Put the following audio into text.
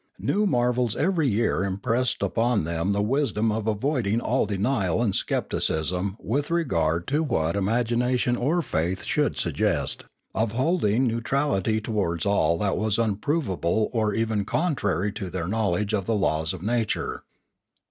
New marvels every year impressed upon them the wisdom of avoiding all denial and scepticism with regard to what imagination or faith should suggest, of holding neutrality towards all that was unprovable or even contrary to their knowledge of the laws of nature.